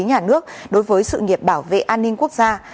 nhà nước đối với sự nghiệp bảo vệ an ninh quốc gia